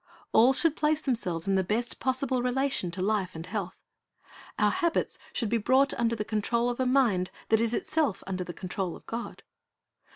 All should place themselves in the best possible relation to life and health. Our habits should be brought under the control of a mind that is itself under the control of God.